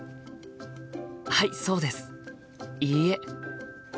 はいそうです。いいえ。